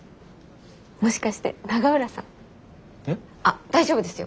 もしかして永浦さん？え？大丈夫ですよ。